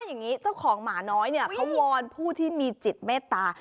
อย่างนี้เจ้าของหมาน้อยเนี่ยเขาวอนผู้ที่มีจิตเมตตา